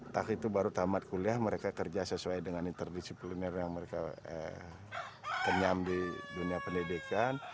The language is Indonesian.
tak itu baru tamat kuliah mereka kerja sesuai dengan interdisipliner yang mereka kenyam di dunia pendidikan